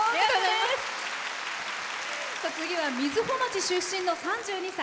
次は瑞穂町出身の３２歳。